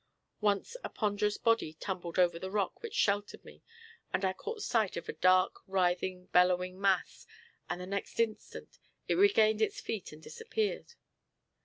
Once a ponderous body tumbled over the rock which sheltered me, and I caught sight of a dark, writhing, bellowing mass, and the next instant it regained its feet and disappeared.